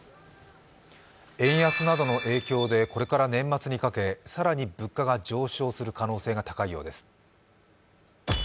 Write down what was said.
円安などの影響でこれから年末にかけ更に物価が上昇する可能性が高いようです。